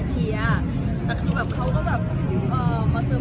คืออยู่ในร้านอาหาร